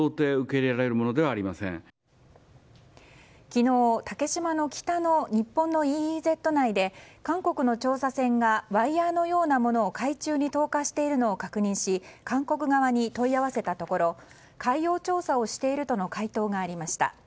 昨日、竹島の北の日本のＥＥＺ内で韓国の調査船がワイヤのようなものを海中に投下しているのを確認し韓国側に問い合わせたところ海洋調査をしているとの回答がありました。